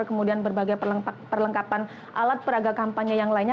kemudian berbagai perlengkapan alat peraga kampanye yang lainnya